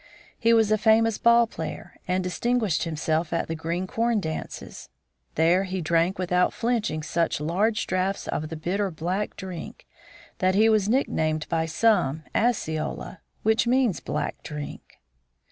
He was a famous ball player, and distinguished himself at the green corn dances. There he drank without flinching such large draughts of the bitter "black drink" that he was nick named by some "Asseola," which means "black drink."